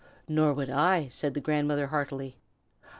"Nor would I!" said the grandmother, heartily.